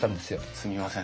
すみません